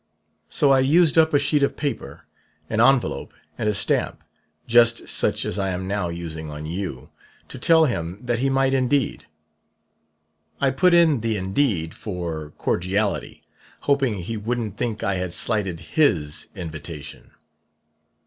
So I used up a sheet of paper, an envelope, and a stamp just such as I am now using on you to tell him that he might indeed. I put in the 'indeed' for cordiality, hoping he wouldn't think I had slighted his invitation.